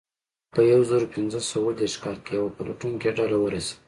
په یو زرو پینځه سوه اوه دېرش کال کې یوه پلټونکې ډله ورسېده.